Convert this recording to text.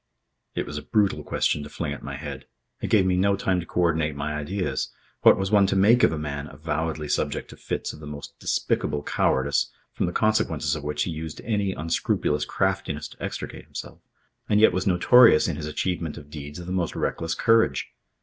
It was a brutal question to fling at my head. It gave me no time to co ordinate my ideas. What was one to make of a man avowedly subject to fits of the most despicable cowardice from the consequences of which he used any unscrupulous craftiness to extricate himself, and yet was notorious in his achievement of deeds of the most reckless courage?